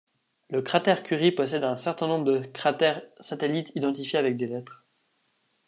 Le cratère Curie possède un certain nombre de cratères satellites identifiés avec des lettres.